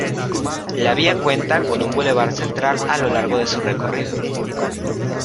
La vía cuenta con un bulevar central a lo largo de su recorrido.